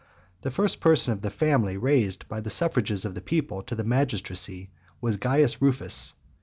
The first person of the family raised by the suffrages of the people to the magistracy, was Caius Rufus.